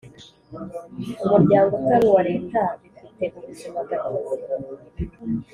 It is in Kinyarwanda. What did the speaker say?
Umuryango utari uwa leta bifite ubuzima gatozi